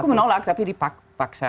aku menolak tapi dipaksa